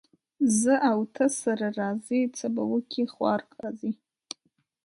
زه او ته سره راضي ، څه به وکي خوار قاضي.